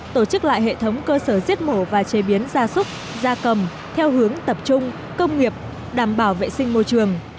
tổ chức lại hệ thống cơ sở giết mổ và chế biến gia súc gia cầm theo hướng tập trung công nghiệp đảm bảo vệ sinh môi trường